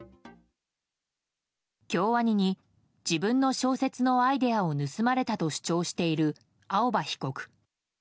京アニに自分の小説のアイデアを盗まれたと主張している青葉被告。